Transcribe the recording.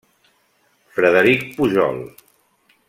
Frederic Pujol.